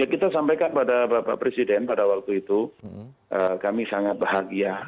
kita sampaikan pada bapak presiden pada waktu itu kami sangat bahagia